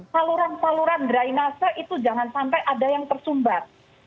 saluran saluran drainase itu jangan sampai ada yang tersumbat